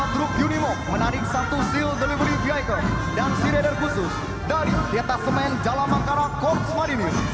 dua truk unimog menarik satu seal delivery vehicle dan sireder khusus dari tetasemen jalabangkara korps marinir